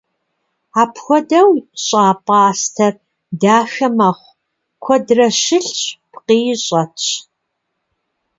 Апхуэдэу щӏа пӏастэр дахэ мэхъу, куэдрэ щылъщ, пкъыи щӏэтщ.